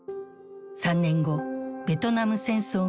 ３年後ベトナム戦争が終結。